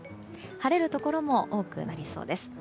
晴れるところも多くなりそうです。